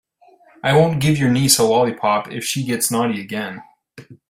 I won't give your niece a lollipop if she gets naughty again.